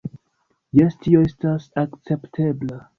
Jes, tio estas akceptebla